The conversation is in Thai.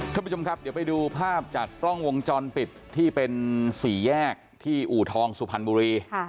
ท่านผู้ชมครับเดี๋ยวไปดูภาพจากกล้องวงจรปิดที่เป็นสี่แยกที่อู่ทองสุพรรณบุรี